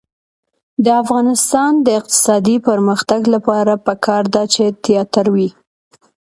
د افغانستان د اقتصادي پرمختګ لپاره پکار ده چې تیاتر وي.